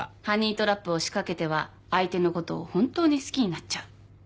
ハニートラップを仕掛けては相手のことを本当に好きになっちゃう。